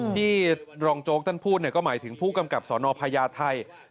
ที่รองโจ๊กต้านพูดก็หมายถึงผู้กำกับสนพญาไทยพันตำรวจเอก